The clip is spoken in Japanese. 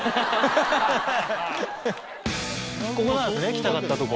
来たかったとこ。